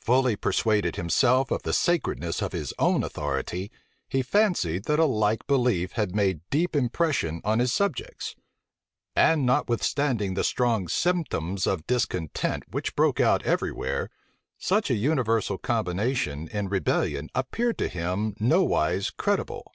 Fully persuaded himself of the sacredness of his own authority, he fancied that a like belief had made deep impression on his subjects: and notwithstanding the strong symptoms of discontent which broke out every where, such a universal combination in rebellion appeared to him nowise credible.